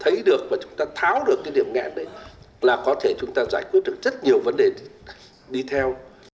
thấy được và chúng ta tháo được cái điểm nghẹn đấy là có thể chúng ta giải quyết được rất nhiều vấn đề đi theo